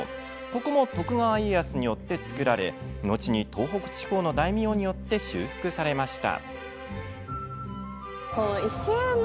ここも徳川家康によって造られ後に東北地方の大名によって修復されました。